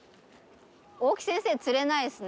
大木先生釣れないですね。